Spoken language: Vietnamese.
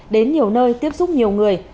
đến nhiều nơi tiếp xúc nhiều người